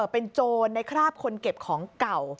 เป็นโจรในคราบคนเก็บของเก่า